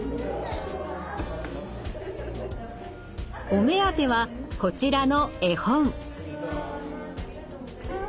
お目当てはこちらの絵本。